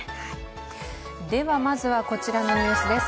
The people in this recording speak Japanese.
ではまずはこちらのニュースです。